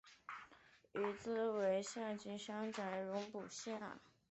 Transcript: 于兹为下邳相笮融部下。